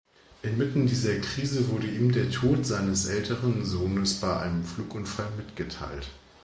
Inmitten dieser Krise wurde ihm der Tod seines älteren Sohnes bei einem Flugunfall mitgeteilt.